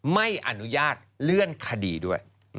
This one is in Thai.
ไม่อนุญาตเลื่อนคดีด้วย